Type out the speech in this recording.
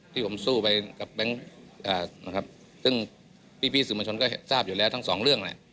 ที่ผมสู้ไปกับแบงค์นะครับซึ่งพี่สื่อมวลชนก็ทราบอยู่แล้วทั้งสองเรื่องแหละ